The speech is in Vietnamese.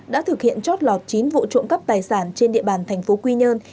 đã thực hiện chót lọt chín vụ trộm cắp tài sản trên địa bàn thành phố quy nhơn